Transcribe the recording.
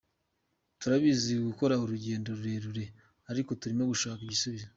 turabizi bakora urugendo rurerure ariko turimo gushaka igisubizo.